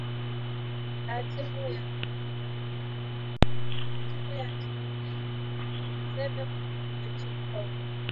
na timu ya tp mazembe kutoka kule nchini congo